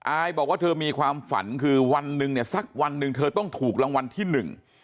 อายบอกว่าเธอมีความฝันคือวันหนึ่งเนี่ยสักวันหนึ่งเธอต้องถูกรางวัลที่หนึ่ง